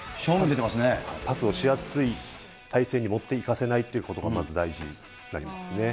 パスをしやすい体勢に持っていかせないということがまず大事になりますね。